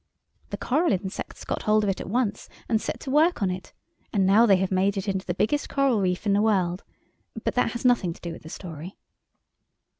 The coral insects got hold of it at once and set to work on it, and now they have made it into the biggest coral reef in the world; but that has nothing to do with the story.